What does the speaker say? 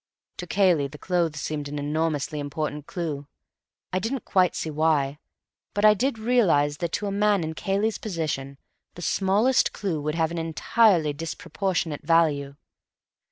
"To Cayley the clothes seemed an enormously important clue. I didn't quite see why, but I did realize that to a man in Cayley's position the smallest clue would have an entirely disproportionate value.